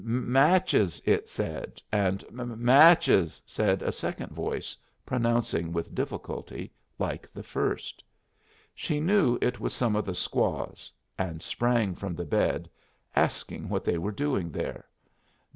"Match es," it said; and "Match es" said a second voice, pronouncing with difficulty, like the first. She knew it was some of the squaws, and sprang from the bed, asking what they were doing there.